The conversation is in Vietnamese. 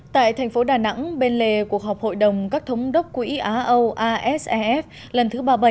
tại thành phố đà nẵng bên lề cuộc họp hội đồng các thống đốc quỹ á âu asef lần thứ ba mươi bảy